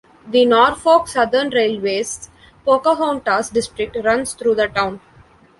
The Norfolk Southern Railway's Pocahontas District runs through the town.